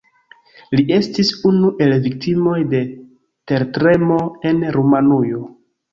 Li estis unu el viktimoj de tertremo en Rumanujo.